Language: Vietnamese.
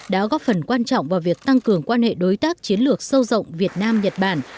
đã góp phần quan trọng vào việc tăng cường quan hệ đối tác chiến lược sâu rộng việt nam nhật bản